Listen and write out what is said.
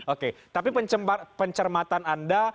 oke tapi pencermatan anda